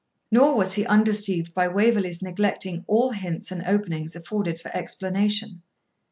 Nor was he undeceived by Waverley's neglecting all hints and openings afforded for explanation.